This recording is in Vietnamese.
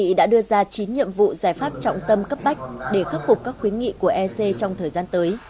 hội nghị đã đưa ra chín nhiệm vụ giải pháp trọng tâm cấp bách để khắc phục các khuyến nghị của ec trong thời gian tới